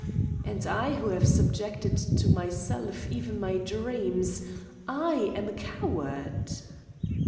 And I who have subjected to myself even my dreams I am a coward?